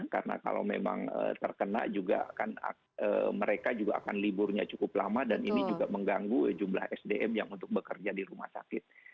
karena kalau memang terkena juga akan mereka juga akan liburnya cukup lama dan ini juga mengganggu jumlah sdm yang untuk bekerja di rumah sakit